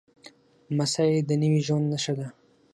لمسی د نوي ژوند نښه ده.